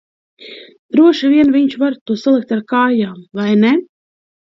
Droši vien viņš var to salikt ar kājām, vai ne?